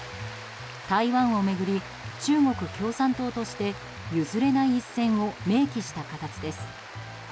台湾を巡り中国共産党として譲れない一線を明記した形です。